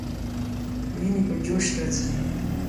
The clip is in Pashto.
ويني په جوش راځي.